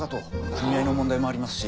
組合の問題もありますし。